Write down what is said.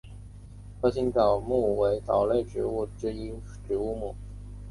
盒形藻目为藻类植物之一植物目。